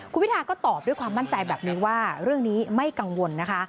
คุณพิทาก็ตอบด้วยความมั่นใจแบบนี้ว่าเรื่องนี้ไม่กังวลนะคะ